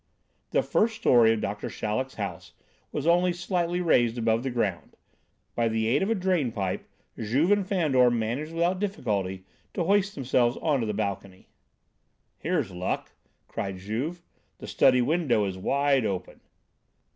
The first story of Doctor Chaleck's house was only slightly raised above the ground: by the aid of a drain pipe, Juve and Fandor managed without difficulty to hoist themselves on to the balcony. "Here's luck," cried Juve. "The study window is wide open!"